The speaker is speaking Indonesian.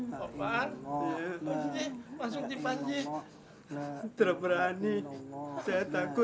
kalau mau gebek kalau terserah dia saya coba